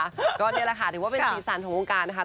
ก็นี่แหละค่ะถือว่าเป็นสีสันของวงการนะคะ